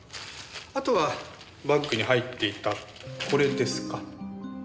あとはバッグに入っていたこれですか。